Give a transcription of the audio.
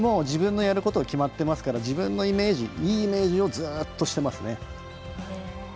自分のやることは決まってますから自分のイメージいいイメージをずっとしてますね。